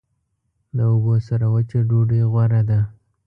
د اوبو سره وچه ډوډۍ غوره ده.